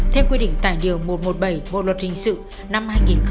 theo quy định tài điều một trăm một mươi bảy bộ luật hình sự năm hai nghìn một mươi năm